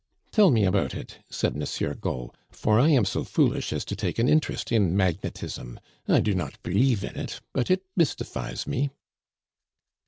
"Tell me about it," said Monsieur Gault, "for I am so foolish as to take an interest in magnetism; I do not believe in it, but it mystifies me."